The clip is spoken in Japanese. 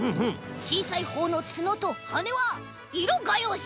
ちいさいほうのつのとはねはいろがようし。